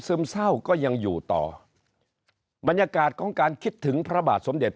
ซึมเศร้าก็ยังอยู่ต่อบรรยากาศของการคิดถึงพระบาทสมเด็จ